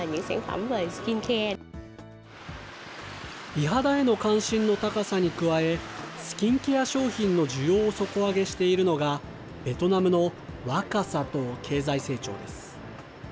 美肌への関心の高さに加え、スキンケア商品の需要を底上げしているのが、ベトナムの若さと経済成長です。